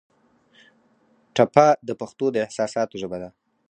ټپه د پښتو د احساساتو ژبه ده.